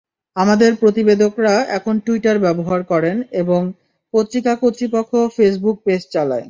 আমাদের প্রতিবেদকেরা এখন টুইটার ব্যবহার করেন এবং পত্রিকা কর্তৃপক্ষ ফেসবুক পেজ চালায়।